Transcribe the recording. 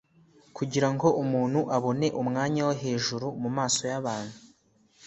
Kugira ngo umuntu abone umwanya wo hejuru mu maso y'abantu,